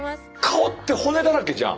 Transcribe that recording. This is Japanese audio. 顔って骨だらけじゃん。